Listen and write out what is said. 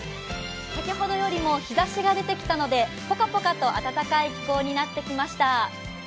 先ほどよりも日ざしが出てきたのでぽかぽかと暖かい気候になってきました。